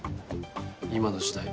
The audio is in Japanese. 今の時代